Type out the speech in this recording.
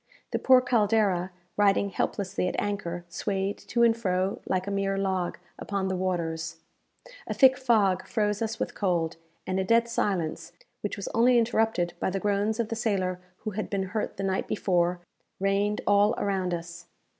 The poor "Caldera," riding helplessly at anchor, swayed to and fro like a mere log upon the waters. A thick fog froze us with cold, and a dead silence, which was only interrupted by the groans of the sailor who had been hurt the night before, reigned all around us.